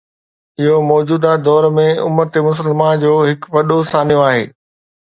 اهو موجوده دور ۾ امت مسلمه جو هڪ وڏو سانحو آهي